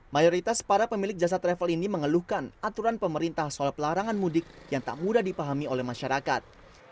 mayoritas para pemilik jasa travel ini mengeluhkan aturan pemerintah soal pelarangan mudik yang tak mudah dipahami oleh masyarakat